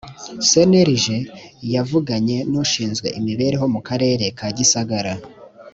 cnlg yavuganye n ushinzwe imibereho mu karere ka gisagara